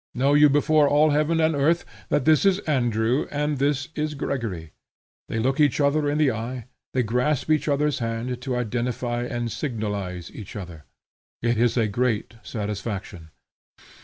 Know you before all heaven and earth, that this is Andrew, and this is Gregory, they look each other in the eye; they grasp each other's hand, to identify and signalize each other. It is a great satisfaction.